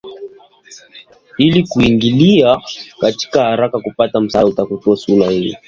ili kuingilia kati haraka kupata msaada wa utatuzi wa suala hilo lakini imesema inasikitishwa